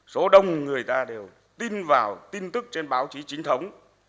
số đông người ta đều tin vào tin tức trên báo chí chính thống